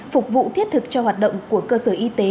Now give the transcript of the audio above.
phục vụ thiết thực cho hoạt động của cơ sở y tế